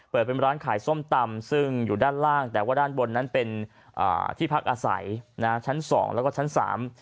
เปิดเป็นร้านขายส้มตำซึ่งอยู่ด้านล่างแต่ว่าด้านบนนั้นเป็นอ่าที่พักอาศัยนะฮะชั้นสองแล้วก็ชั้นสาม